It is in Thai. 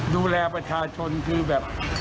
ดูแลประชาชนคือแบบ